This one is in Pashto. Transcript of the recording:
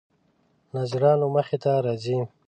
ناظرانو مخې ته راځي.